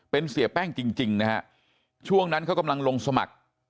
เป็นเสียแป้งจริงนะฮะช่วงนั้นเขากำลังลงสมัคร